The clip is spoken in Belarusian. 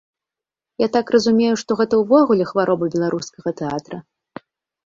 Я так разумею, што гэта ўвогуле хвароба беларускага тэатра?